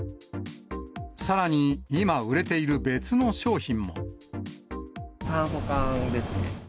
さらに今売れている別の商品酸素缶ですね。